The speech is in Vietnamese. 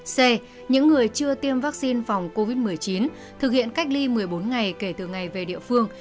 c những người chưa tiêm vaccine phòng covid một mươi chín thực hiện cách ly một mươi bốn ngày kể từ ngày về địa phương